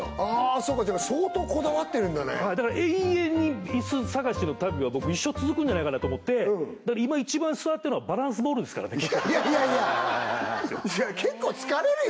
そうかじゃあ相当こだわってるんだねだから永遠にイス探しの旅は僕一生続くんじゃないかなと思ってだから今一番座ってるのはバランスボールですからねいやいやいや結構疲れるよ